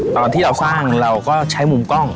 ตอนที่เราสร้างเราก็ใช้มุมกล้อง